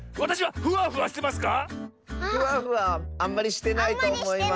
フワフワあんまりしてないとおもいます。